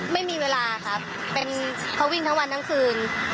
ไม่มีเวลาครับเป็นเขาวิ่งทั้งวันทั้งคืน